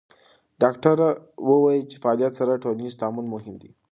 ډاکټره وویل چې د فعالیت سره ټولنیز تعامل مهم دی.